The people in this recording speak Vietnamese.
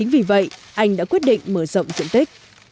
vì vậy anh đã quyết định mở rộng diện tích